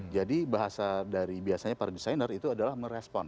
jadi bahasa dari biasanya para designer itu adalah merespon